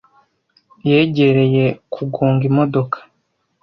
Yegereye kugonga imodoka.